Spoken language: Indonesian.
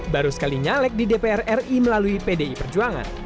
baru sekali nyalek di dpr ri melalui pdi perjuangan